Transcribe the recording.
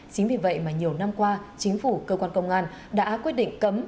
chính vì vậy mà nhiều năm qua chính phủ cơ quan công an đã quyết định cấm